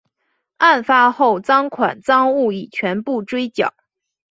案发后赃款赃物已全部追缴。